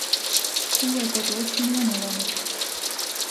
Uue kodu otsimine on alanud.